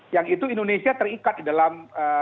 yang itu indonesia terikat di dalam